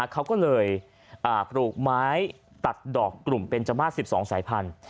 เขาก็เลยปลูกไม้ตัดดอกกลุ่มเป็นเจ้ามาส๑๒สายพันธุ